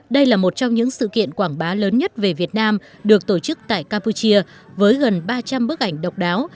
đây là một trong những sự kiện quảng bá lớn nhất về việt nam được tổ chức tại campuchia với gần ba trăm linh bức ảnh độc đáo